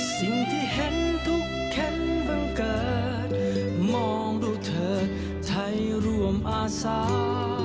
สิ่งที่เห็นทุกเข็นบังเกิดมองดูเธอไทยร่วมอาสา